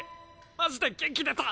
マジで元気出た！